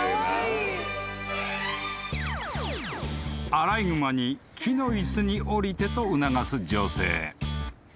［アライグマに木の椅子に下りてと促す女性］